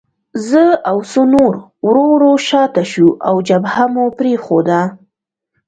زه او څو نور ورو ورو شاته شوو او جبهه مو پرېښوده